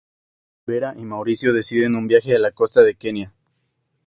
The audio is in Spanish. Vera y Mauricio, deciden un viaje a la costa de Kenia.